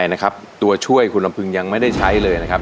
มีความรู้สึกว่ามีความรู้สึกว่ามีความรู้สึกว่า